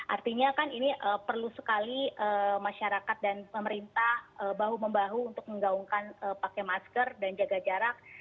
artinya kan ini perlu sekali masyarakat dan pemerintah bahu membahu untuk menggaungkan pakai masker dan jaga jarak